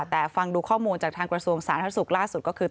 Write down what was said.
แต่ฟังดูข้อมูลจากทางกระทรวงสาธารณสุขล่าสุดก็คือ